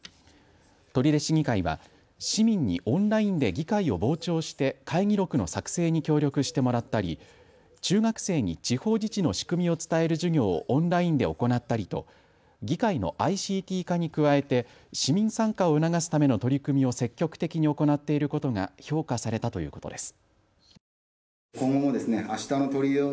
取手市議会は市民にオンラインで議会を傍聴して会議録の作成に協力してもらったり中学生に地方自治の仕組みを伝える授業をオンラインで行ったりと議会のＩＣＴ化に加えて市民参加を促すための取り組みを積極的に行っていることが評価されたということです。